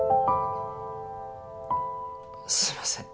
すいません。